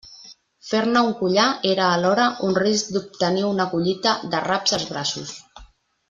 Fer-ne un collar era alhora un risc d'obtenir una collita d'arraps als braços.